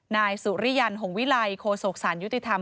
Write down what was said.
นายสุริยันหงวิลัยโคศกสารยุติธรรม